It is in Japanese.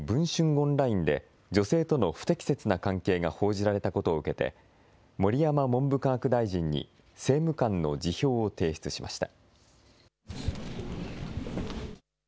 オンラインで女性との不適切な関係が報じられたことを受けて盛山文部科学大臣に政務官の辞表を提出しました。